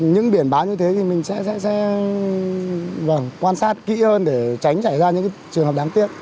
những biển báo như thế thì mình sẽ quan sát kỹ hơn để tránh xảy ra những trường hợp đáng tiếc